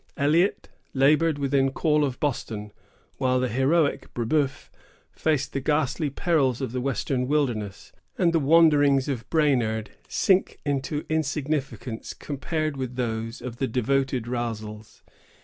Eliot labored within call of Boston, while the heroic Brebeuf faced the ghastly perils of the western wilderness; and the wanderings of Brainerd sink into insignificance compared with those of the devoted Rasles.